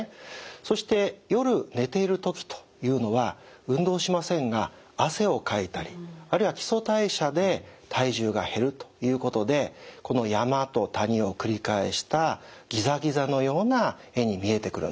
そして夜寝ている時というのは運動しませんが汗をかいたりあるいは基礎代謝で体重が減るということでこの山と谷を繰り返したギザギザのような絵に見えてくるんです。